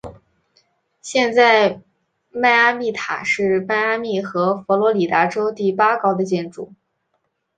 现在迈阿密塔是迈阿密和佛罗里达州第八高的建筑。